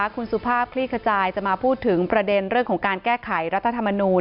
คุณสุภาพคลี่ขจายจะมาพูดถึงประเด็นเรื่องของการแก้ไขรัฐธรรมนูล